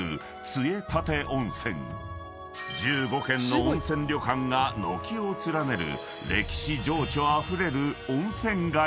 ［１５軒の温泉旅館が軒を連ねる］